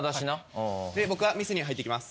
で僕は店に入ってきます。